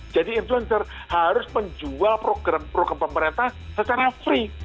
jadi influencer harus menjual program pemerintah secara free